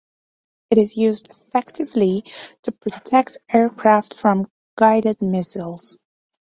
It is used effectively to protect aircraft from guided missiles.